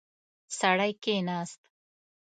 سړی کېناست.